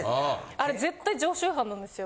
あれ絶対常習犯なんですよ。